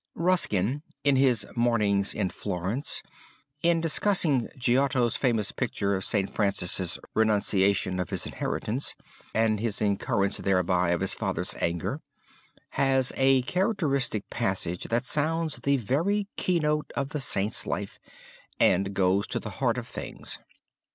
Ruskin in his Mornings in Florence in discussing Giotto's famous picture of St. Francis' renunciation of his inheritance, and his incurrence thereby of his father's anger, has a characteristic passage that sounds the very keynote of the Saint's life and goes to the heart of things.